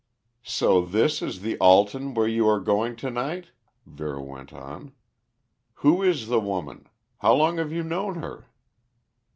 "So this is the Alton where you are going to night?" Vera went on. "Who is the woman? How long have you known her?"